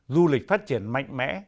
du lịch phát triển mạnh mẽ